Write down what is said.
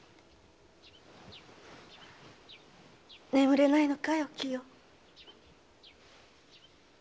眠れないのかいお清？